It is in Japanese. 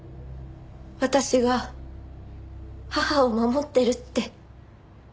私が母を守ってるって。